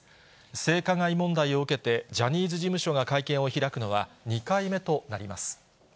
性加害問題を受けて、ジャニーズ事務所が会見を開くのは２回目となります。